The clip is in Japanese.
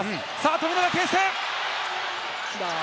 富永啓生！